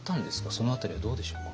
その辺りはどうでしょうか。